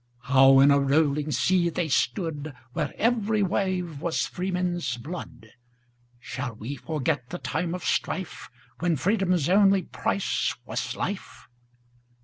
How in a rolling sea they stood, Where every wave was freemen's blood,—Shall we forget the time of strife, When freedom's only price was life?